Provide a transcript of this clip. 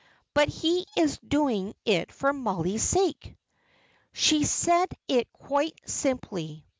"But he is doing it for Mollie's sake." She said it quite simply.